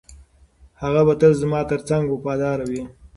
هغه به تل زما تر څنګ وفاداره وي.